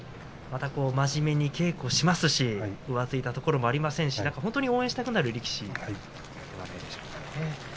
また真面目に稽古もしますし浮ついたところもありませんし応援したくなる力士ですね。